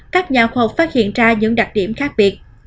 các nhà khoa học phát hiện ra những đặc điểm khác biệt